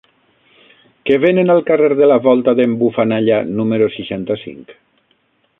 Què venen al carrer de la Volta d'en Bufanalla número seixanta-cinc?